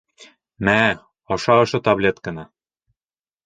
Мә, аша ошо таблетканы.